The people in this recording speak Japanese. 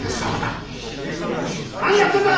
日暮何やってんだ！